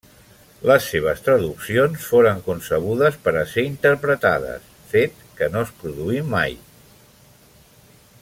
Les seves traduccions foren concebudes per a ser interpretades, fet que no es produí mai.